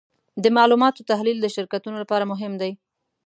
د معلوماتو تحلیل د شرکتونو لپاره مهم دی.